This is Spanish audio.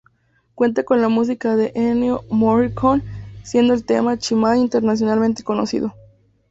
Cuenta con la música de Ennio Morricone, siendo el tema Chi Mai internacionalmente conocido.